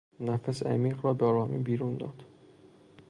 نفس عمیق را به آرامی بیرون داد.